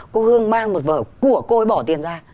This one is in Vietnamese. cô hương mang một vở của cô ấy bỏ tiền ra